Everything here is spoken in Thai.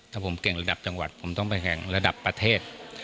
ถ้าผมเก่งระดับจังหวัดผมต้องไปแข่งระดับประเทศ